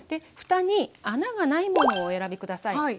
ふたに穴がないものをお選び下さい。